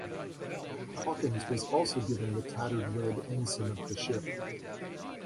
Hawkins was also given the tattered Red Ensign of the ship.